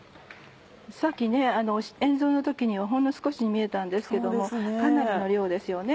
さっきあの塩蔵の時にはほんの少しに見えたんですけどかなりの量ですよね。